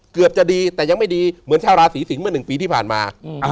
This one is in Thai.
เกือบจะดีแต่ยังไม่ดีเหมือนชาวราศีสิงศ์เมื่อ๑ปีที่ผ่านมา